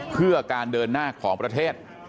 เพื่อการเดินหน้าของประเทศ